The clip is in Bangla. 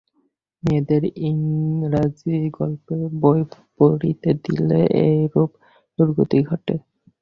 মেয়েদের ইংরাজি গল্পের বই পড়িতে দিলে এইরূপ দুর্গতি ঘটে।